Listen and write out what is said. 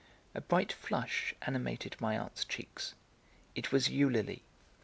A bright flush animated my aunt's cheeks; it was Eulalie.